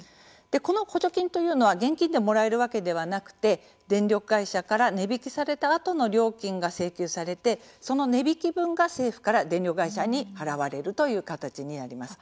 この補助金というのは現金でもらえるわけではなくて電力会社から値引きされたあとの料金が請求されてその値引き分が政府から電力会社に払われるという形になります。